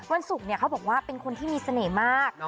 วันศุกร์เขาบอกว่าเป็นคนที่มีเสน่ห์มาก